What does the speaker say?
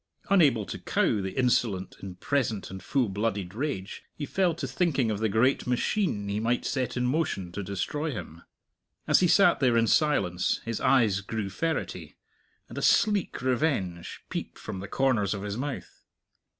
Unable to cow the insolent in present and full blooded rage, he fell to thinking of the great machine he might set in motion to destroy him. As he sat there in silence, his eyes grew ferrety, and a sleek revenge peeped from the corners of his mouth.